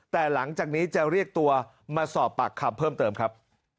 แต่หลังจากนี้จะเรียกตัวมาสอบปากคำเพิ่มเติมครับ